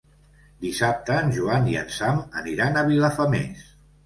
Dissabte en Joan i en Sam aniran a Vilafamés.